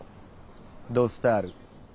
「ド・スタール」。